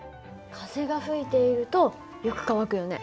風が吹いているとよく乾くよね。